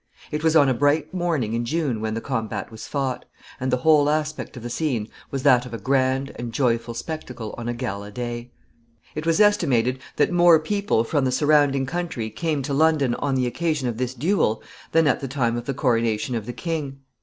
It was on a bright morning in June when the combat was fought, and the whole aspect of the scene was that of a grand and joyful spectacle on a gala day. [Sidenote: Great concourse of people.] It was estimated that more people from the surrounding country came to London on the occasion of this duel than at the time of the coronation of the king.